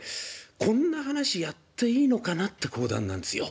こんな話やっていいのかなっていう講談なんですよ。